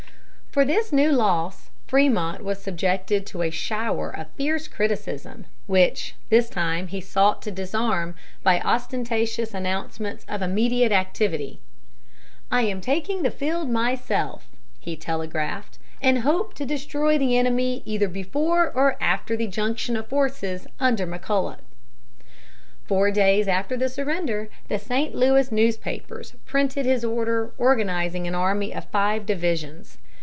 For this new loss, Frémont was subjected to a shower of fierce criticism, which this time he sought to disarm by ostentatious announcements of immediate activity. "I am taking the field myself," he telegraphed, "and hope to destroy the enemy either before or after the junction of forces under McCulloch." Four days after the surrender, the St. Louis newspapers printed his order organizing an army of five divisions.